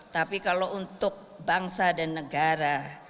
tapi kalau untuk bangsa dan negara